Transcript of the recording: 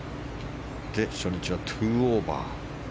初日は２オーバー。